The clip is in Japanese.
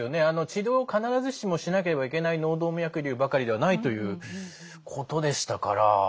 治療を必ずしもしなければいけない脳動脈瘤ばかりではないということでしたから。